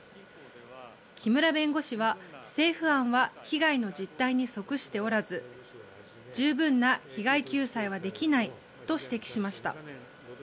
木村弁護士は、政府案は被害の実態に即しておらず十分な被害救済はできないと指摘しました。